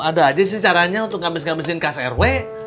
ada aja sih caranya untuk ngabis ngabisin kcrw